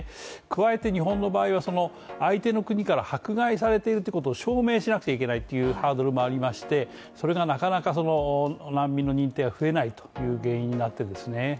加えて日本の場合はその相手の国から迫害されているってことを証明しなくちゃいけないっていうハードルもありまして、それがなかなか難民の認定は増えないという原因になってですね。